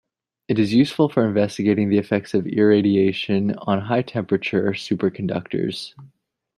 It is useful for investigating the effects of irradiation on high temperature superconductors.